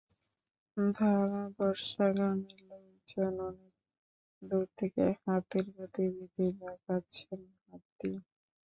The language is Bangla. ধারাবর্ষা গ্রামের লোকজন অনেক দূর থেকে হাতির গতিবিধি দেখাচ্ছেন হাত দিয়ে।